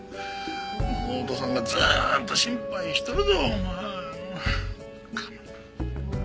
妹さんがずっと心配しとるぞお前。